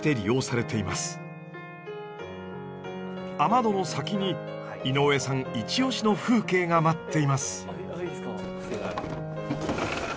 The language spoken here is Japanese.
雨戸の先に井上さん一押しの風景が待っています。